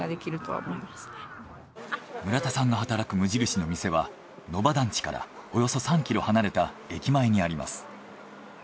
村田さんが働く無印の店は野庭団地からおよそ３キロ離れた駅前にあります。